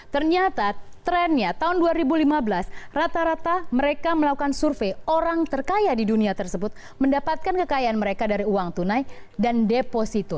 ternyata trennya tahun dua ribu lima belas rata rata mereka melakukan survei orang terkaya di dunia tersebut mendapatkan kekayaan mereka dari uang tunai dan deposito